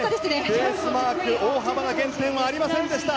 ベースマーク大幅な減点はありませんでした。